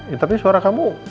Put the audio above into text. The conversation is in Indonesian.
ya tapi suara kamu